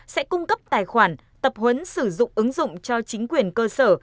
sẽ cung cấp tài khoản tập huấn sử dụng ứng dụng cho chính quyền cơ sở